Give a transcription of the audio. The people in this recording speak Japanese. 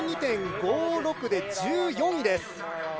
６２．５０で１４位です。